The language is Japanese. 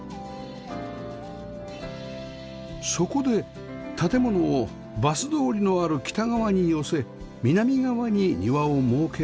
そこで建物をバス通りのある北側に寄せ南側に庭を設けました